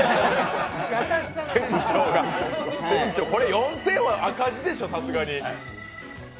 店長、これ４０００円は赤字でしょ、さすがに。